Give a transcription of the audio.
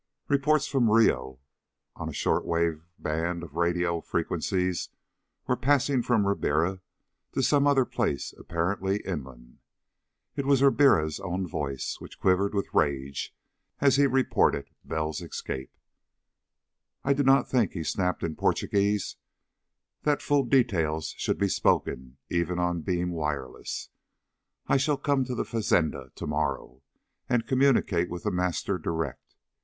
Reports from Rio on a short wave band of radio frequencies were passing from Ribiera to some other place apparently inland. It was Ribiera's own voice, which quivered with rage as he reported Bell's escape. "I do not think," he snapped in Portuguese, "that full details should be spoken even on beam wireless. I shall come to the fazenda _to morrow and communicate with The Master direct.